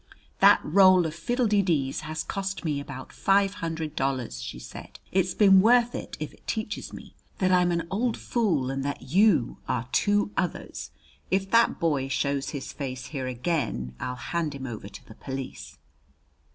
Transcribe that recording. "That roll of fiddle de dees has cost me about five hundred dollars," she said. "It's been worth it if it teaches me that I'm an old fool and that you are two others! If that boy shows his face here again, I'll hand him over to the police."